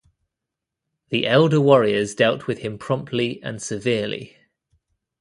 The elder warriors dealt with him promptly and severely.